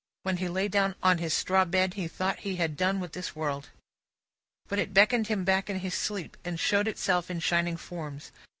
When he lay down on his straw bed, he thought he had done with this world. But, it beckoned him back in his sleep, and showed itself in shining forms.